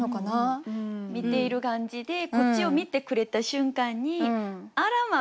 見ている感じでこっちを見てくれた瞬間にあらま！